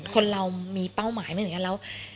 คนเรามีเป้าหมายไม่เหมือนกันแล้ว